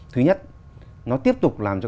thứ nhất nó tiếp tục làm cho